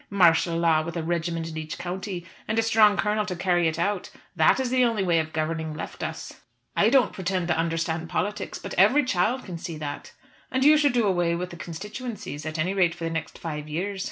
Martial law with a regiment in each county, and a strong colonel to carry it out, that is the only way of governing left us. I don't pretend to understand politics, but every child can see that. And you should do away with the constituencies, at any rate for the next five years.